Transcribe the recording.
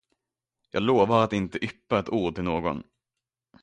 Jag lovar att inte yppa ett ord till någon.